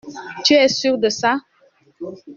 Tu es sûr de ça?